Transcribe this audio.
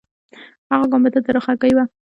هغه ګنبده د رخ هګۍ وه.